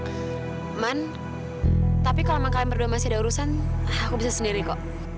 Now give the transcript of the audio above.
ya man tapi kalau sama kalian berdua masih ada urusan aku bisa sendiri kok